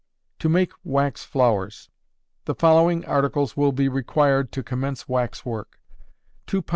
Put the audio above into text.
To Make Wax Flowers. The following articles will be required to commence wax work: 2 lbs.